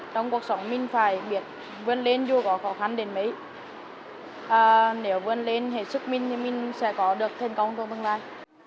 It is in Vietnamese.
trong cuộc sống mình phải biết vươn lên dù có khó khăn đến mấy nếu vươn lên hết sức mình thì mình sẽ có được thành công trong tương lai